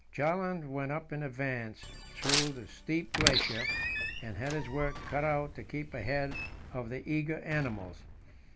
Bjaaland went in advance up through this steep glacier, and had his work cut out to keep ahead of the eager animals.